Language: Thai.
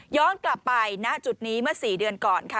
กลับไปณจุดนี้เมื่อ๔เดือนก่อนค่ะ